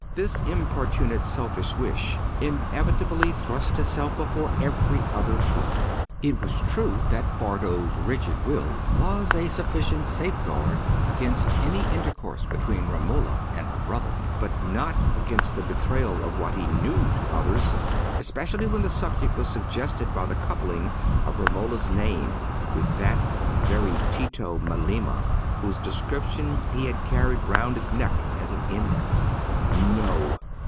This importunate selfish wish inevitably thrust itself before every other thought. It was true that Bardo's rigid will was a sufficient safeguard against any intercourse between Romola and her brother; but not against the betrayal of what he knew to others, especially when the subject was suggested by the coupling of Romola's name with that of the very Tito Melema whose description he had carried round his neck as an index. No!